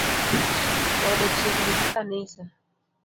Ode chiegni gi kanisa